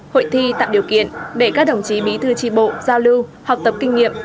hội thi tạo điều kiện để các đồng chí bí thư tri bộ giao lưu học tập kinh nghiệm